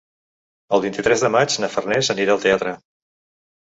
El vint-i-tres de maig na Farners anirà al teatre.